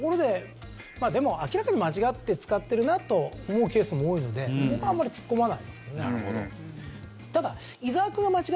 まあでも明らかに間違って使ってるなと思うケースも多いので僕はあんまり突っ込まないですけどね。